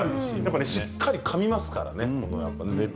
しっかりかみますからね。